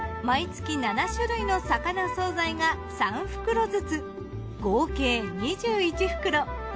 毎月７種類の魚惣菜が３袋ずつ合計２１袋。